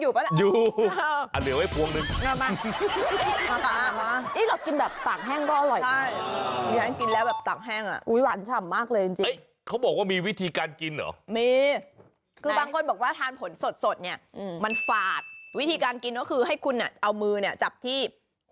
อยู่ใกล้ดิใช่ไหมตอนนี้ฉันยินให้คุณชนะเด็ดให้